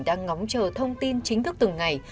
đang ngóng chờ thông tin chính thức từng ngày